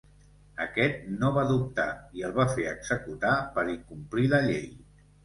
Aquest no va dubtar, i el va fer executar per incomplir la llei.